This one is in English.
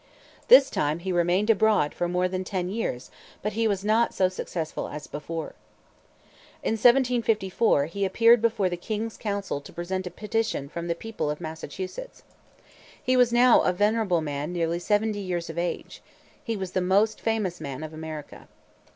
This time he remained abroad for more than ten years; but he was not so successful as before. In 1774 he appeared before the King's council to present a petition from the people of Massachusetts. He was now a venerable man nearly seventy years of age. He was the most famous man of America.